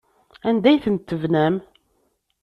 Anda ay tent-tebnam?